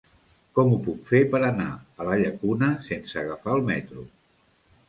Com ho puc fer per anar a la Llacuna sense agafar el metro?